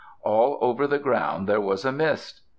All over the ground there was a mist.